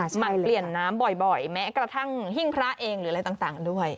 หัดเปลี่ยนน้ำบ่อยแม้กระทั่งหิ้งพระเองหรืออะไรต่างด้วย